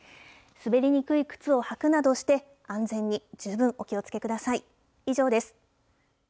滑りにくい靴を履くなどして、安全に十分お気をつけください。